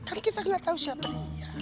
kan kita tidak tahu siapa dia